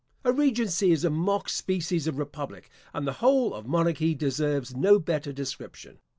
A regency is a mock species of republic, and the whole of monarchy deserves no better description.